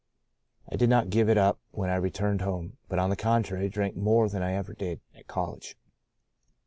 I did not give it up when I returned home, but on the contrary drank more than I ever did at college.